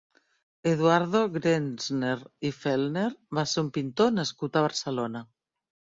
Eduardo Grenzner i Fellner va ser un pintor nascut a Barcelona.